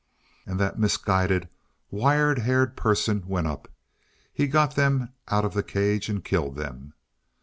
And that misguided wire haired person went up. He got them out of the cage, and killed them.